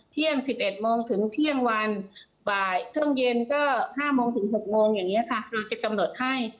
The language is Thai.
เที่ยง๑๑โมงถึงเที่ยงวันช่วงเย็นก็๕โมงถึง๖โมงอย่างนี้ค่ะเราจะกำหนดให้